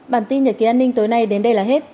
bản tin nhật ký an ninh tối nay đến đây là hết